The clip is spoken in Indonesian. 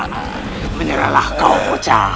kami akan mengembalikan mereka